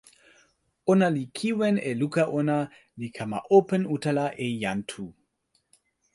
ona li kiwen e luka ona, li kama open utala e jan Tu.